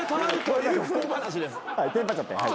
はいテンパっちゃって。